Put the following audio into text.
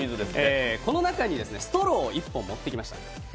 この中にストローを１本持ってきました。